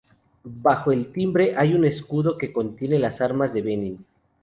Bajo el timbre hay un escudo que contiene las armas de Benín.